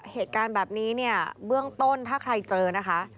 เหตุการณ์แบบนี้เนี่ยเบื้องต้นถ้าใครเจอนะคะ